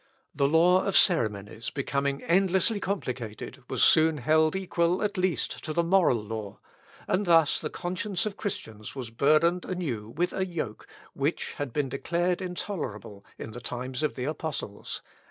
The law of ceremonies becoming endlessly complicated, was soon held equal at least to the moral law, and thus the conscience of Christians was burdened anew with a yoke which had been declared intolerable in the times of the apostles.